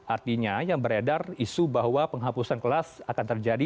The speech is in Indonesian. artinya yang beredar isu bahwa penghapusan kelas akan terjadi